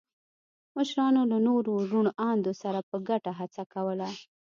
مشرانو له نورو روڼ اندو سره په ګډه هڅه کوله.